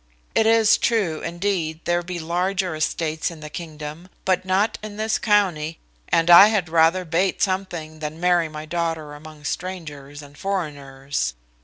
It is true, indeed, there be larger estates in the kingdom, but not in this county, and I had rather bate something, than marry my daughter among strangers and foreigners.